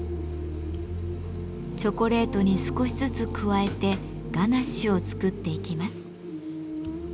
チョコレートに少しずつ加えてガナッシュを作っていきます。